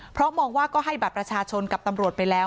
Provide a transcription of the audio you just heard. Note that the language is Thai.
เพราะมองว่าก็ให้บัตรประชาชนกับตำรวจไปแล้ว